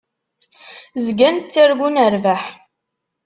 Zgan ttargun rrbeḥ.